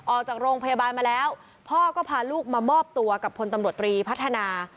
ออกจากโรงพยาบาลมาแล้วพ่อก็พาลูกมามอบตัวกับพลตำรวจตรีพัฒนา